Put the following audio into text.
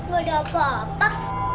gak ada apa apa